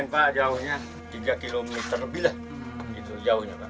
bukan main pak jauhnya tiga km lebih lah itu jauhnya pak